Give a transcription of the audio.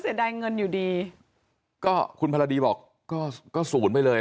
เสียดายเงินอยู่ดีก็คุณพรดีบอกก็ก็ศูนย์ไปเลย